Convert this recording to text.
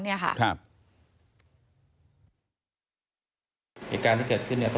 วิทยาลัยแพงพุทธ